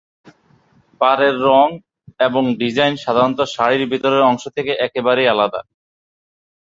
পারের রঙ এবং ডিজাইন সাধারণত শাড়ির ভিতরের অংশ থেকে একেবারেই আলাদা।